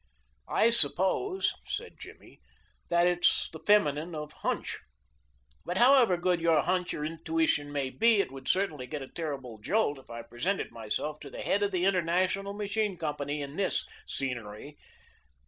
"I suppose," said Jimmy, "that it's the feminine of hunch. But however good your hunch or intuition may be it would certainly get a terrible jolt if I presented myself to the head of the International Machine Company in this scenery.